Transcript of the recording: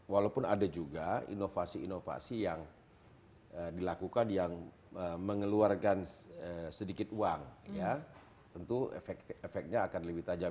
walaupun ada juga inovasi inovasi yang dilakukan yang mengeluarkan sedikit uang ya tentu efeknya akan lebih tajam